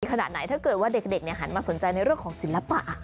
ขนาดไหนถ้าเกิดว่าเด็กหันมาสนใจในเรื่องของศิลปะ